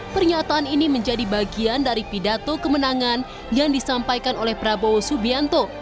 pernyataan ini menjadi bagian dari pidato kemenangan yang disampaikan oleh prabowo subianto